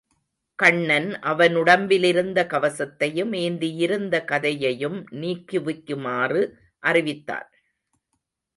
கண்ணன் அவன் உடம்பிலிருந்த கவசத்தையும், ஏந்தியிருந்த கதையையும் நீக்கு விக்குமாறு அறிவித்தான்.